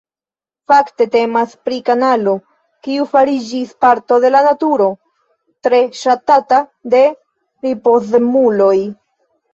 Fakte temas pri kanalo, kiu fariĝis parto de la naturo tre ŝatata de ripozemuloj.